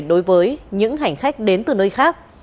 đối với những hành khách đến từ nơi khác